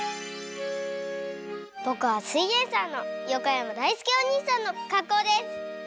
ぼくは「すイエんサー」の横山だいすけおにいさんのかっこうです！